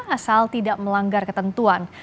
asal tidak melanggar ketentuan